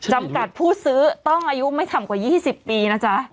จำกัดผู้ซื้อต้องอายุไม่ต่ำกว่า๒๐ปีนะจ๊ะ